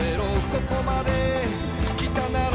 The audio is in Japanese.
「ここまで来たなら」